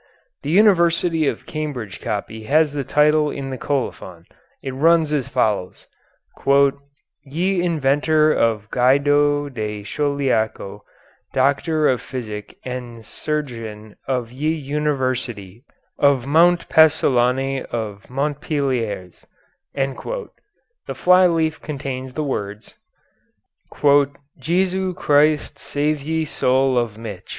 The University of Cambridge copy has the title in the colophon. It runs as follows: "Ye inventorye of Guydo de Caulhiaco Doctor of Phisyk and Cirurgien in Ye Universitie of Mount Pessulanee of Montpeleres." The fly leaf contains the words, "Jesu Christ save ye soule of mich."